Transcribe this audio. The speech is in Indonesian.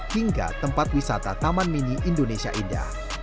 hingga tempat wisata taman mini indonesia indah